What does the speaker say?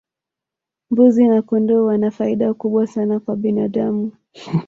mbuzi na kondoo wana faida kubwa sana kwa binadamu